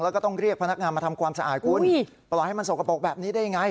แล้วก็ต้องเรียกพนักงานมาทำความสะอาดคุณปล่อยให้มันสกปรกแบบนี้ได้ยังไง